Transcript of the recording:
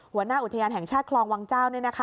หัวหน้าอุทยานแห่งชาติคลองวังเจ้า